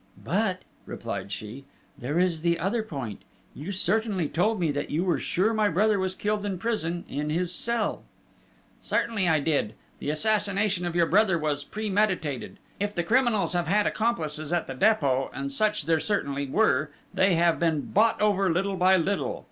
"But," replied she, "there is the other point! You certainly told me that you were sure my brother was killed in prison in his cell!" "Certainly, I did! The assassination of your brother was premeditated. If the criminals have had accomplices at the Dépôt, and such there certainly were, they have been bought over little by little....